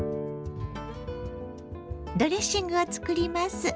ドレッシングを作ります。